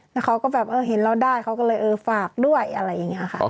แล้วเขาก็แบบเห็นเราได้เขาก็เลยเออฝากด้วยอะไรอย่างนี้ค่ะ